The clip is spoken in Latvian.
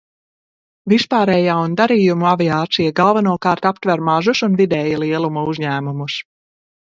Vispārējā un darījumu aviācija galvenokārt aptver mazus un vidēja lieluma uzņēmumus.